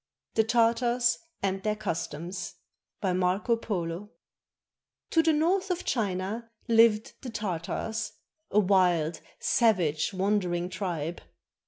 THE TARTARS AND THEIR CUSTOMS BY MARCO POLO To the north of China lived the Tartars, a wild, savage, wandering tribe.